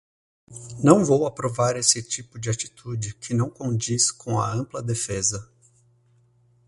Não vou aprovar esse tipo de atitude que não condiz com a ampla defesa